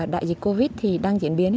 đại dịch covid đang diễn biến